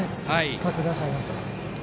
各打者が。